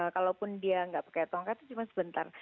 kalaupun dia nggak pakai tongkat itu cuma sebentar